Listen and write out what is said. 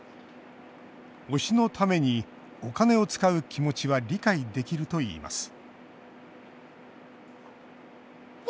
推しのためにお金を使う気持ちは理解できるといいます